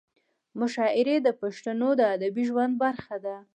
مشاعرې د پښتنو د ادبي ژوند برخه ده.